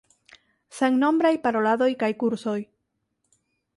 Sennombraj paroladoj kaj kursoj.